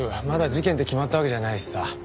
まだ事件って決まったわけじゃないしさ。